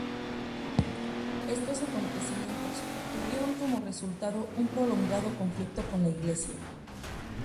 Estos acontecimientos tuvieron como resultado un prolongado conflicto con la Iglesia.